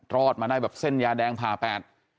รอดมาได้แบบเส้นยาแดงผ่าแปด